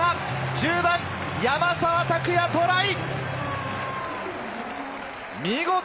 １０番・山沢拓也、トライ！